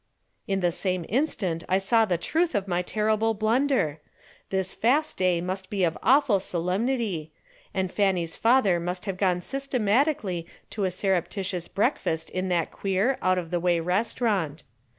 In the same instant I saw the truth and my terrible blunder. This fast day must be of awful solemnity, and Fanny's father must have gone systematically to a surreptitious breakfast in that queer, out of the way restaurant.